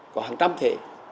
có hàng trăm thể